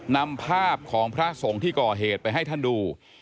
นำภาพของพระสงฆ์ที่ก่อเหตุไปให้ท่านดู